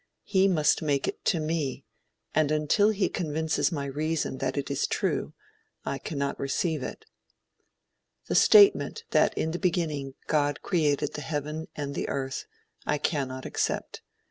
He must make it to me, and until he convinces my reason that it is true, I cannot receive it. The statement that in the beginning God created the heaven and the earth, I cannot accept.